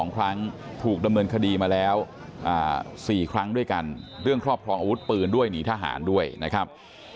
๒ครั้งถูกดำเนินคดีมาแล้ว๔ครั้งด้วยกันเรื่องครอบครองอาวุธปืนด้วยหนีทหารด้วยนะครับ